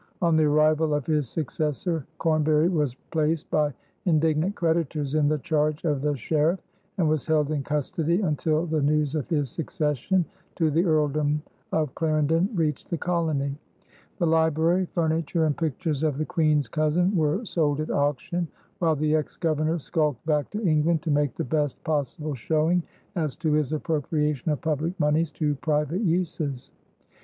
On the arrival of his successor, Cornbury was placed by indignant creditors in the charge of the sheriff, and was held in custody until the news of his succession to the earldom of Clarendon reached the colony. The library, furniture, and pictures of the Queen's cousin were sold at auction, while the ex Governor skulked back to England to make the best possible showing as to his appropriation of public moneys to private uses.